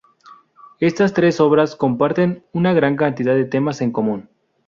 Estas tres obras comparten una gran cantidad de temas en común.